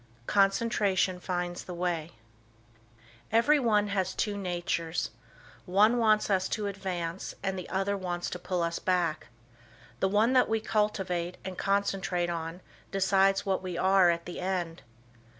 CONCENTRATION FINDS THE WAY Everyone has two natures. One wants us to advance and the other wants to pull us back. The one that we cultivate and concentrate on decides what we are at the end.